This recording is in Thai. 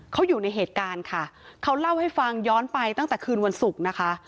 เขาอยู่ในเหตุการณ์ค่ะเขาเล่าให้ฟังย้อนไปตั้งแต่คืนวันศุกร์นะคะ